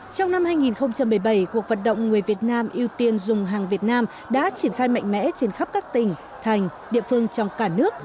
trong năm hai nghìn một mươi bảy cuộc vận động người việt nam ưu tiên dùng hàng việt nam đã triển khai mạnh mẽ trên khắp các tỉnh thành địa phương trong cả nước